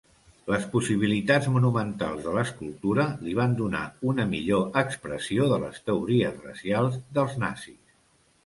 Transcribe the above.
Les possibilitats monumentals de l'escultura li van donar una millor expressió de les teories racials dels nazis.